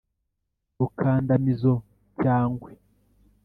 rukanda-mizo cyangwe